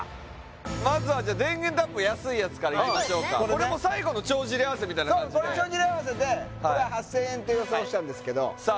まずはじゃあ電源タップ安いやつからいきましょうかこれも最後の帳尻合わせみたいなそうその帳尻合わせで８０００円って予想したんですけどさあ